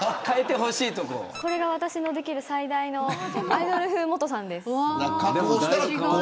これが私のできる最大のアイドル風モトさんです。